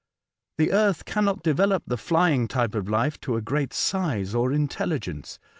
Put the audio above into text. The earth cannot develope the flying type of life to a great size or intelligence.